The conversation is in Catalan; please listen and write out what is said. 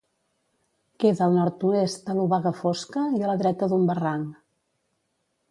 Queda al nord-oest de l'Obaga Fosca, i a la dreta d'un barranc.